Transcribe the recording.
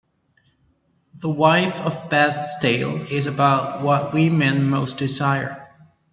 "The Wife of Bath's Tale" is about 'What women most desire'.